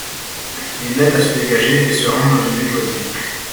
Ils l'aident à se dégager et se rendent dans une ville voisine.